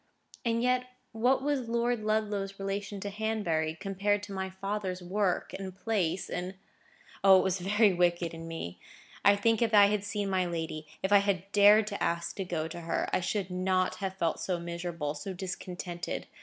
And yet what was Lord Ludlow's relation to Hanbury, compared to my father's work and place in—? O! it was very wicked in me! I think if I had seen my lady,—if I had dared to ask to go to her, I should not have felt so miserable, so discontented.